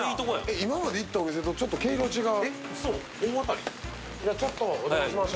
今まで行った店とちょっと毛色が違う。